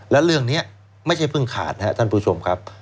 แล้วเรื่องนี้ไม่ใช่เพิ่งขาดนะครับท่านผู้ชมครับ